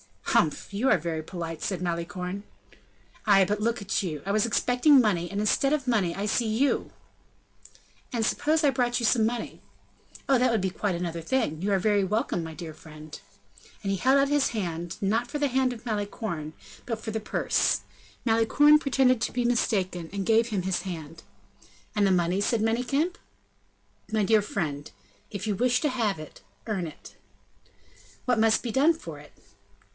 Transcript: "Humph! you are very polite!" said Malicorne. "Ay, but look you, I was expecting money, and, instead of money, I see you." "And suppose I brought you some money?" "Oh! that would be quite another thing. You are very welcome, my dear friend!" And he held out his hand, not for the hand of Malicorne, but for the purse. Malicorne pretended to be mistaken, and gave him his hand. "And the money?" said Manicamp. "My dear friend, if you wish to have it, earn it." "What must be done for it?"